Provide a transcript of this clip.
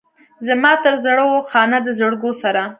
زما تر زړه و خانه د زرګو سره.